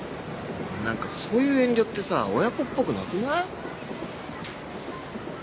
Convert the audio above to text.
何かそういう遠慮ってさ親子っぽくなくない？